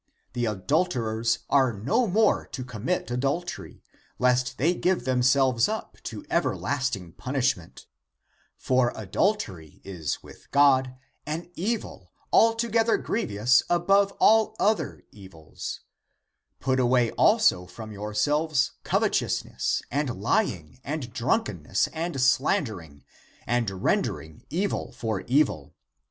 ^ The adulterers are no more to commit adultery, lest they give themselves up to everlasting punishment. *Comp. Eph. II, 22: Col. Ill, 9. 5 Comp. Eph. IV, 28. ACTS OF THOMAS 277 For adultery is with God an evil altogether grievous above all other evils. Put away also from your selves covetousness, and lying, and drunkenness, and slandering,^ and rendering evil for evil